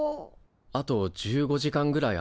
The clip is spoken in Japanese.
あと１５時間ぐらいあるな。